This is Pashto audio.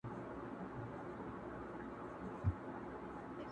د دښمن له فکر او مِکره ناپوهي ده,